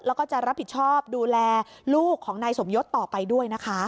แล้วก็จะรับผิดชอบดูแลลูกของนายสมยศต่อไปด้วยนะคะ